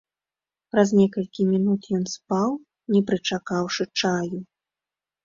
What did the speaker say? Праз некалькі мінут ён спаў, не прычакаўшы чаю.